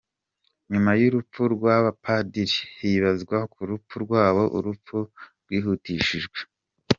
Nyuma y’urupfu rw’aba bapadiri, hibazwa ku rupfu rwabo, urupfu rwihutishijwe.